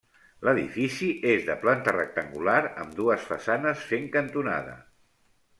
L'edifici és de planta rectangular, amb dues façanes fent cantonada.